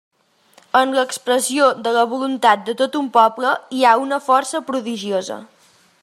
En l'expressió de la voluntat de tot un poble hi ha una força prodigiosa.